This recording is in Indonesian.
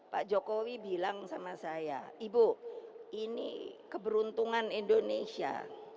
pak jokowi bilang sama saya ibu ini keberuntungan indonesia